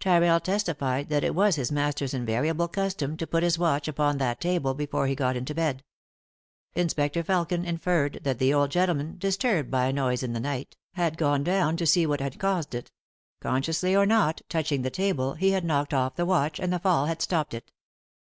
Tyrrell testified that it was his master's invariable custom to put his watch upon that table before he got into bed. Inspector Felkin inferred that the old gentleman, disturbed by a noise in the night, had gone down to see what had caused it ; consciously or not, touching the table, he had knocked off the watch, and the fell had stopped it.